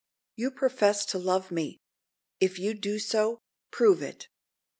You profess to love me. If you do so, prove it!